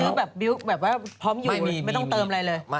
มีซื้อแบบพร้อมอยู่ไม่ต้องเติมอะไรเลย